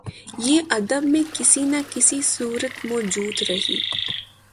یہ ادب میں کسی نہ کسی صورت موجود رہی